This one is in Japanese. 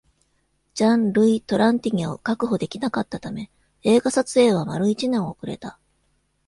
ジャン＝ルイ・トランティニャを確保できなかったため、映画撮影はまる一年遅れた。